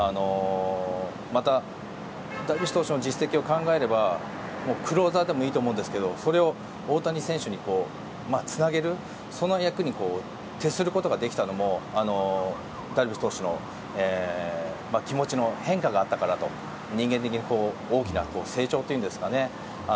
また、ダルビッシュ投手の実績を考えればクローザーでもいいと思うんですけどそれを大谷選手につなげるその役に徹することができたのもダルビッシュ投手の気持ちの変化があったからだと人間的に大きな成長というんですかね。